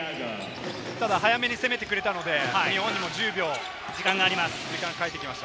早めに攻めてくれたので、日本にも１０秒時間が返ってきました。